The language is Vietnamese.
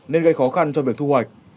nên gây khó khăn cho việc thu hoạch